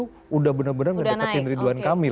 sudah benar benar ngedekatin ridwan kamil